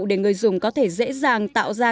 để người dùng có thể dễ dàng tạo ra